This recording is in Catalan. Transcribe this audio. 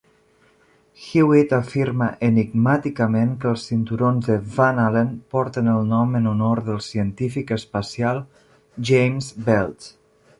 Hewitt afirma enigmàticament que els cinturons de Van Allen porten el nom en honor del científic espacial James Belts.